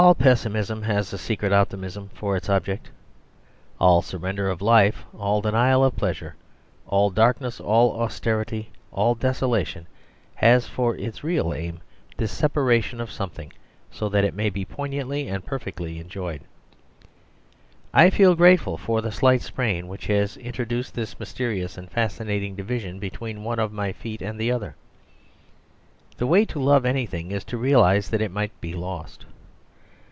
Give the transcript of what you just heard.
All pessimism has a secret optimism for its object. All surrender of life, all denial of pleasure, all darkness, all austerity, all desolation has for its real aim this separation of something so that it may be poignantly and perfectly enjoyed. I feel grateful for the slight sprain which has introduced this mysterious and fascinating division between one of my feet and the other. The way to love anything is to realise that it might be lost.